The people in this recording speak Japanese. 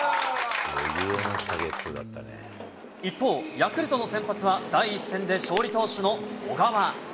一方、ヤクルトの先発は第１戦で勝利投手の小川。